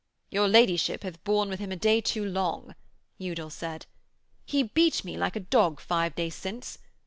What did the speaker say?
'Your ladyship hath borne with him a day too long,' Udal said. 'He beat me like a dog five days since.